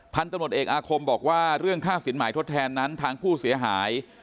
พันธุ์ตำรวจเอกอาคมบอกว่าเรื่องค่าสินหมายทดแทนนั้นทางผู้เสียหาย